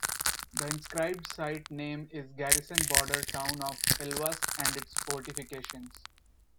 The inscribed site name is Garrison Border Town of Elvas and its Fortifications.